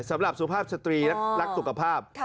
สำหรับสุภาพสตรีรักสุขภาพ